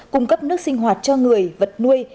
cung cấp nước sinh hoạt cho người vật nuôi